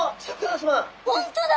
本当だ！